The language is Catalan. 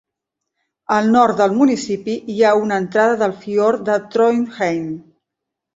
Al nord del municipi hi ha una entrada del fiord de Trondheim.